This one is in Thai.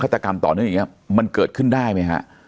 ตกรรมต่อเนื่องอย่างนี้มันเกิดขึ้นได้ไหมฮะ